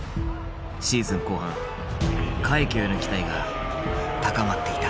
シーズン後半快挙への期待が高まっていた。